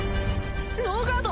ノーガード！